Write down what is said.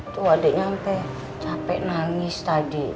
tuh adiknya sampe capek nangis tadi